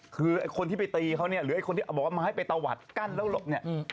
คือคนที่ไปตีเขาเนี่ยหรือคนที่บอกมาให้ไปเตาหวัดกั้นแล้วหลบเนี่ย